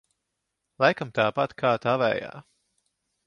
Laikam tāpat kā tavējā?